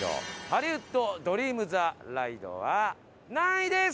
ハリウッド・ドリーム・ザ・ライドは何位ですか？